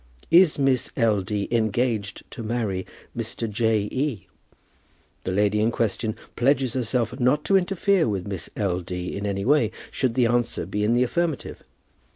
Is Miss L. D. engaged to marry Mr. J. E.? The lady in question pledges herself not to interfere with Miss L. D. in any way, should the answer be in the affirmative.